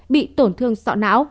bị tổn thương sọ não